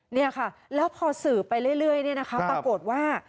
นี่ค่ะแล้วพอสื่อไปเรื่อยปรากฏว่า